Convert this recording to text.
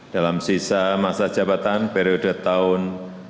dalam sisa masa jabatan periode tahun dua ribu sembilan belas dua ribu dua puluh empat